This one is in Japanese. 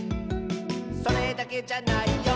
「それだけじゃないよ」